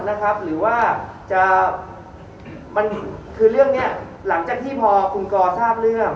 หรือว่าจะมันคือเรื่องนี้หลังจากที่พอคุณกอทราบเรื่อง